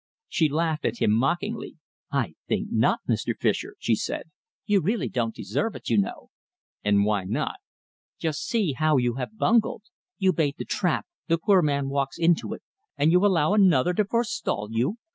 She laughed at him mockingly. "I think not, Mr. Fischer," she said. "You really don't deserve it, you know." "And why not?" "Just see how you have bungled! You bait the trap, the poor man walks into it, and you allow another to forestall you.